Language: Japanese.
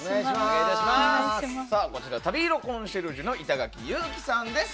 こちら、旅色コンシェルジュの板垣侑季さんです。